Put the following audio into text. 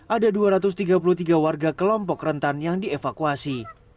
ada dua ratus tiga puluh tiga warga kelompok rentan yang dievakuasi